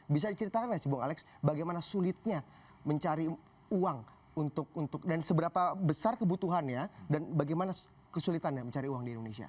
bisa diceritakan nggak sih bung alex bagaimana sulitnya mencari uang untuk dan seberapa besar kebutuhannya dan bagaimana kesulitannya mencari uang di indonesia